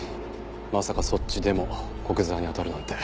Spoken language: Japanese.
まさかそっちでも古久沢に当たるなんて。